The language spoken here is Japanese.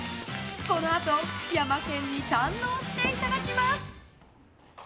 このあと、ヤマケンに堪能していただきます！